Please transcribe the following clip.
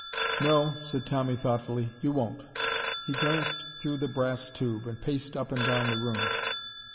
"No," said Tommy thoughtfully. "You won't." He glanced through the brass tube and paced up and down the room.